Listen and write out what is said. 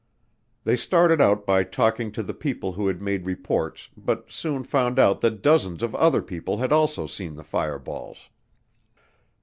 They started out by talking to the people who had made reports but soon found out that dozens of other people had also seen the fireballs.